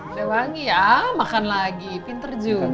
udah wangi ya makan lagi pinter juga